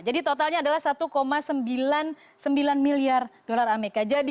jadi totalnya adalah satu sembilan puluh sembilan miliar dolar amerika